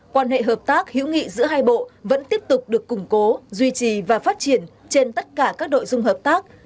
quan hệ hợp tác hữu nghị giữa hai bộ vẫn tiếp tục được củng cố duy trì và phát triển trên tất cả các đội dung hợp tác